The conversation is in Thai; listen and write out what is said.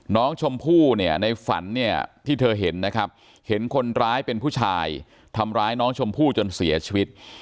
น้องชมพู่เนี่ยในฝันเนี่ยที่เธอเห็นนะครับเห็นคนร้ายเป็นผู้ชายทำร้ายน้องชมพู่จนเสียชีวิต